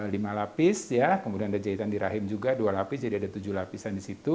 lima lapis kemudian ada jahitan di rahim juga dua lapis jadi ada tujuh lapisan di situ